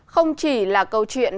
không chỉ là câu chuyện